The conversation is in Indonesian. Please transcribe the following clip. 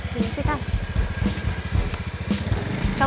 sini sih kang